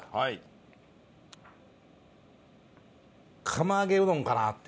釜揚げうどんかなって。